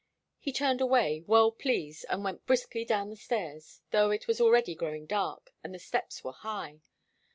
He turned away, well pleased, and went briskly down the stairs, though it was already growing dark, and the steps were high.